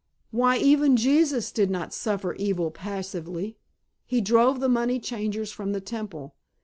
Why, even Jesus did not suffer evil passively. He drove the money changers from the Temple.